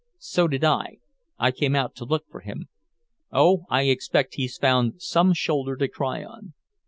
"So did I. I came out to look for him." "Oh, I expect he's found some shoulder to cry on.